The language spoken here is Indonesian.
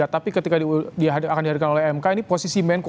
tapi ketika akan dihadirkan oleh mk ini posisi menko